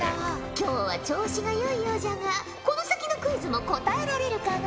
今日は調子がよいようじゃがこの先のクイズも答えられるかな？